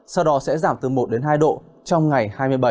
sau đó sẽ giảm từ một đến hai độ trong ngày hai mươi bảy